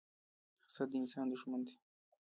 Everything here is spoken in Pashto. حسد د انسان دښمن دی